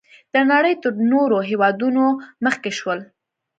د نړۍ تر نورو هېوادونو مخکې شول.